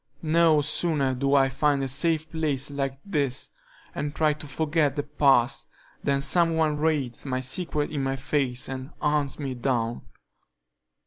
No sooner do I find a safe place like this, and try to forget the past, than some one reads my secret in my face and hunts me down.